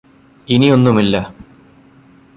ഇനിയൊന്നുമില്ല